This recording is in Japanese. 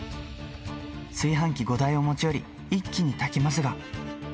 炊飯器５台を持ち寄り、一気に炊きますが。